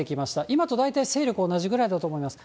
今と大体勢力は同じぐらいだと思います。